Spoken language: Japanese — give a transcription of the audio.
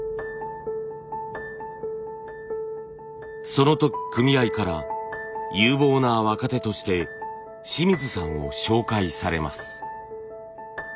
その時組合から有望な若手として清水さんを紹介されます。